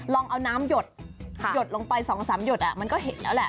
ลองเอาน้ำหยดหยดลงไป๒๓หยดมันก็เห็นแล้วแหละ